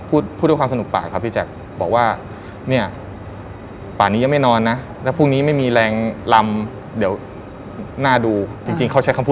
พูดด้วยความสนุกปากครับพี่แจกบอกว่าเนี่ยป่านี้ยังไม่นอนนะ